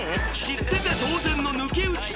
知ってて当然の抜き打ち